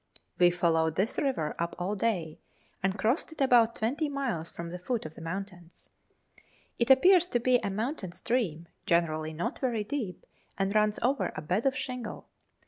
We followed this river up all day, and crossed it about twenty miles from the foot 258 Letters from Victorian Pioneers. of the mountains. It appears to be a mountain stream, generally not very deep, and runs over a bed of shingle.